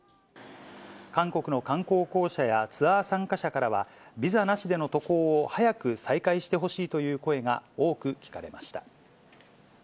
韓国の観光公社やツアー参加者からは、ビザなしでの渡航を早く再開してほしいという声が多く聞かれまし